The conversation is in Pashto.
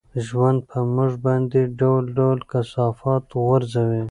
ژوند په موږ باندې ډول ډول کثافات غورځوي.